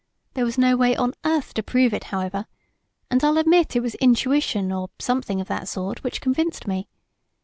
There was no way on earth to prove it, however, and I'll admit it was intuition or something of that sort which convinced me.